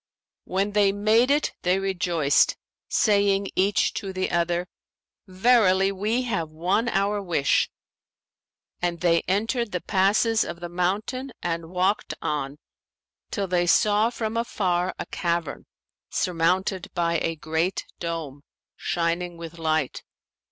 When they made it they rejoiced, saying each to the other, 'Verily we have won our wish'; and they entered the passes of the mountain and walked on, till they saw from afar a cavern surmounted by a great dome, shining with light.